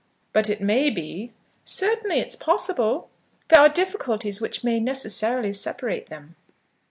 "But it may be?" "Certainly it is possible. There are difficulties which may necessarily separate them."